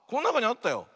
あったよ。